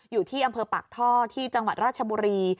อยู่ที่อำเภอปากท่อที่จังหวัดราชบุรี